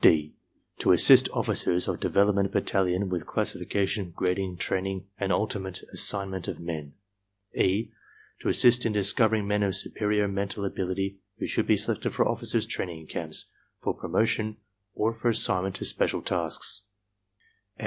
.^ (d) To assist officers of development battalion with classifica tion, grading, training, and ultimate assignment of men. (e) To assist in discovering men of superior mental ability * who should be selected for officers' training camps, for promo tion or for assignment to special tasks.